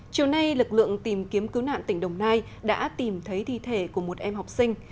chiều nay lực lượng tìm kiếm cứu nạn tỉnh đồng nai đã tìm thấy thi thể của một em học sinh